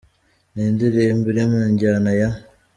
Ni indirimbo iri mu njyana ya.